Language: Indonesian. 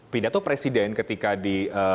pindah tuh presiden ketika di